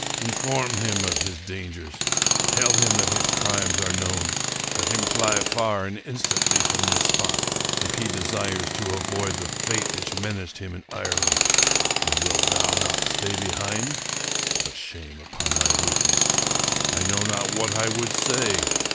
Inform him of his dangers; tell him that his crimes are known; let him fly far and instantly from this spot, if he desires to avoid the fate which menaced him in Ireland. " And wilt thou not stay behind? But shame upon my weakness! I know not what I would say.